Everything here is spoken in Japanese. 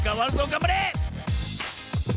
がんばれ！